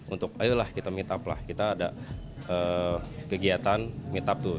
untuk ayo lah kita meet up lah kita ada kegiatan meet up tuh